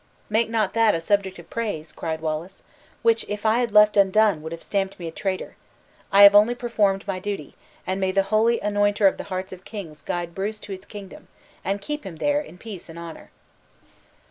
"Make not that a subject of praise," cried Wallace, "which if I had left undone, would have stamped me a traitor. I have only performed my duty; and may the Holy Anointer of the hearts of kings guide Bruce to his kingdom, and keep him there in peace and honor!"